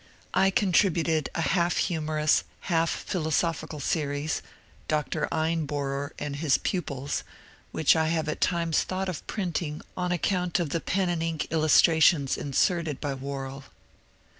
I contributed a half humorous, half philosophical series, ^^ Dr. Einbohrer and his Pupils," which I have at times thought of printing on account of the pen and ink illustrations inserted by Worrall.